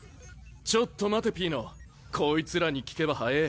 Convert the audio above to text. ちょっと待てピーノこいつらに聞けば早えぇ。